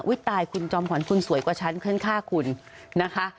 อุ๊ยตายคุณจอมขวัญคุณสวยกว่าฉันเคลื่อนฆ่าคุณนะคะ